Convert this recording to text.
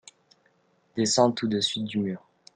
Descends tout de suite du mur.